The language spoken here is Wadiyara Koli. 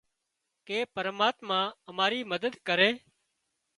ڪي پرماتما امارِي مدد ڪري۔